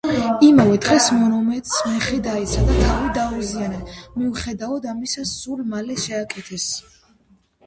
იმავე დღეს, მონუმენტს მეხი დაეცა და თავი დაუზიანდა, მიუხედავად ამისა, სულ მალე შეაკეთეს.